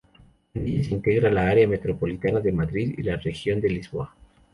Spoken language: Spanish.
En ella se integran la área metropolitana de Madrid y la región de Lisboa.